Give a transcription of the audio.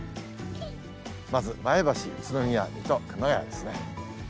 まず前橋、宇都宮、水戸、熊谷ですね。